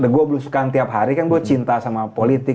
gue belusukan tiap hari kan gue cinta sama politik